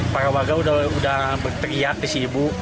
para warga sudah berteriak di cibu